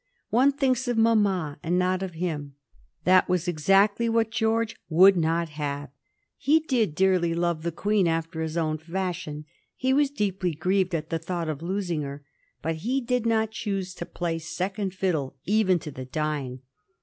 " One thinks of mamma, and not of him." That was exactly what George would not have. He did dearly love the Queen after his own fashion ; he was deeply grieved at the thought of losing her; but he did not choose to play second fiddle even to the dying.